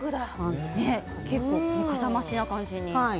結構かさ増しな感じに。